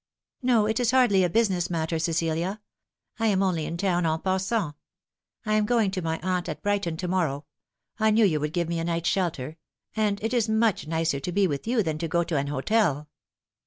" No, it is hardly a business matter, Cecilia. I am only in town en passant. I am going to my aunt at Brighton to niorrow. I knew you would give me a night's shelter ; and it is much nicer to be with you than to go to an hotel."